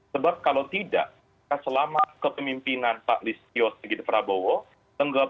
sebab kalau tidak selama kepemimpinan pak listio segit prabowo